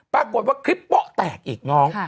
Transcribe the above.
ปรากฏว่าคลิปโป๊ะแตกอีกน้อง